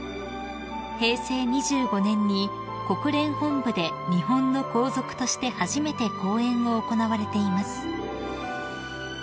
［平成２５年に国連本部で日本の皇族として初めて講演を行われています］